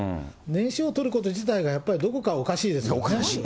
念書を取ること自体がやっぱりどこかおかしいですよね。